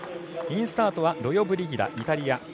インスタートはロヨブリギダイタリア。